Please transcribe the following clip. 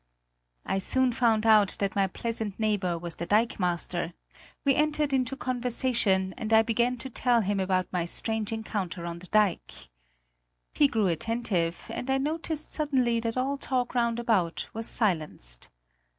I soon found out that my pleasant neighbour was the dikemaster; we entered into conversation, and I began to tell him about my strange encounter on the dike. He grew attentive, and I noticed suddenly that all talk round about was silenced.